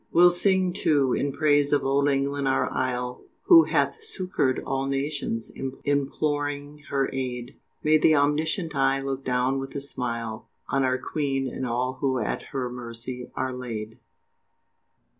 We'll sing, too, in praise of Old England our Isle, Who hath succour'd all Nations imploring her aid, May that Omniscient Eye look down with a smile, On our Queen and all who at her Mercy are laid.